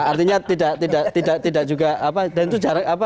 artinya tidak juga apa dan itu jarak apa